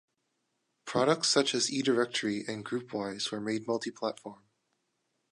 Products such as eDirectory and GroupWise were made multi-platform.